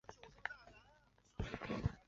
凌霄岩摩崖石刻的历史年代为民国。